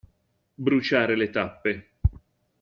Bruciare le tappe.